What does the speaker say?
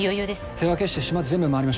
手分けして島全部回りましょう。